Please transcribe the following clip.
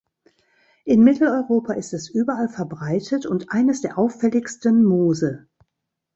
In Mitteleuropa ist es überall verbreitet und eines der auffälligsten Moose.